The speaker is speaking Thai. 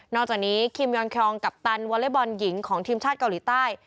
จากนี้คิมยอนครองกัปตันวอเล็กบอลหญิงของทีมชาติเกาหลีใต้